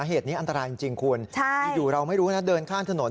เหตุนี้อันตรายจริงคุณอยู่เราไม่รู้นะเดินข้ามถนน